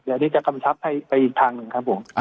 เดี๋ยวนี้จะกำชับให้ไปอีกทางหนึ่งครับผม